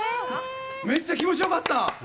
めっちゃ気持ちよかった！